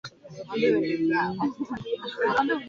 mimina kwenye sufuria